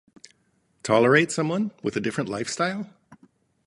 Tolerate someone with a different lifestyle?